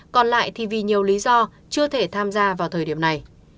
còn lại thì vì nhiều lý do chưa thể tham gia vào thời điểm này